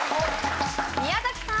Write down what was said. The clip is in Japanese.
宮崎さん。